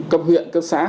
cấp huyện cấp xã